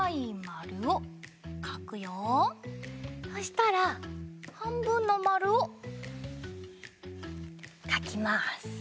そしたらはんぶんのまるをかきます。